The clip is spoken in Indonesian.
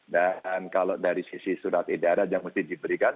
dan kalau dari sisi surat edaran yang mesti diberikan